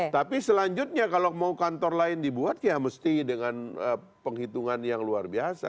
tapi selanjutnya kalau mau kantor lain dibuat ya mesti dengan penghitungan yang luar biasa